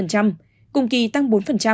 cùng kỳ tăng bốn